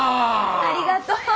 ありがとう。